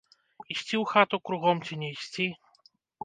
Ісці ў хату кругом ці не ісці.